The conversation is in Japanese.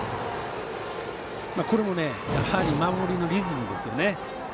これも、やはり守りのリズムですよね。